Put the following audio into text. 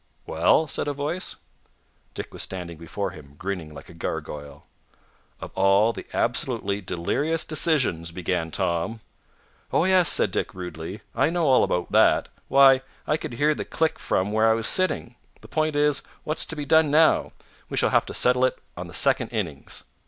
"Well?" said a voice. Dick was standing before him, grinning like a gargoyle. "Of all the absolutely delirious decisions " began Tom. "Oh, yes," said Dick rudely, "I know all about that. Why, I could hear the click from where I was sitting. The point is, what's to be done now? We shall have to settle it on the second innings."